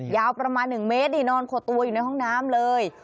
ยาวประมาณ๑เมตรนี่นอนขดตัวอยู่ในห้องน้ำเลย